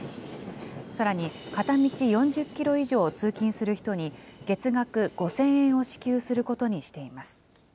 さらに、片道４０キロ以上通勤する人に、月額５０００円を支給することにしています。